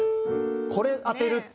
これ当てるって。